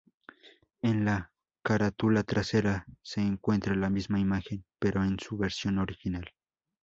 En la carátula trasera se encuentra la misma imagen, pero en su versión original.